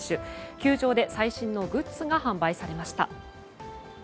球場で最新のグッズが販売されました。